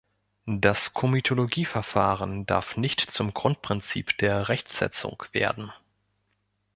Das Komitologieverfahren darf nicht zum Grundprinzip der Rechtsetzung werden.